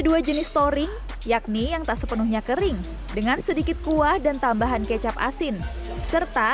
dua jenis toring yakni yang tak sepenuhnya kering dengan sedikit kuah dan tambahan kecap asin serta